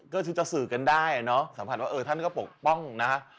ก็สึกจะสื่อกันได้สัมผัสว่าท่านก็ปกป้องนะคะ